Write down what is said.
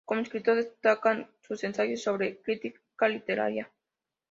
Como escritor destacan sus ensayos sobre crítica literaria.